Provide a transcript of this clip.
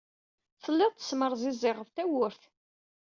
Tellid tesmerziziɣed tawwurt.